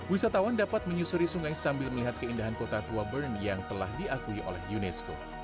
wisatawan dapat menyusuri sungai sambil melihat keindahan kota tua bern yang telah diakui oleh unesco